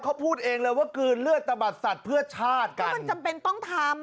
เขาพูดเองเลยว่ากลืนเลือดตะบัดสัตว์เพื่อชาติครับแล้วมันจำเป็นต้องทำ